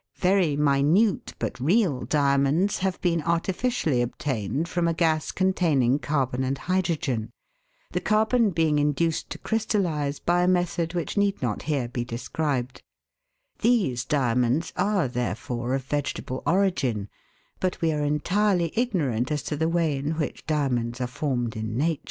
Very minute but real diamonds have been artificially obtained from a gas containing carbon and hydrogen, the carbon being induced to crystallise by a method which need not here be described These diamonds are therefore of vegetable origin, but we are entirely ignorant as to the way in which diamonds are formed in nature.